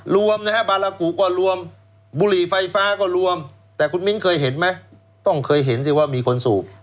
รวมนะฮะบารากุก็รวมบุหรี่ไฟฟ้าก็รวมแต่คุณมิ้นเคยเห็นไหมต้องเคยเห็นสิว่ามีคนสูบ